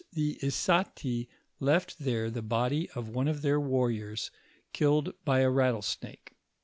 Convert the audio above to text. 41 m', Issati left there the body of one of their warrion, killed by a rattleenake.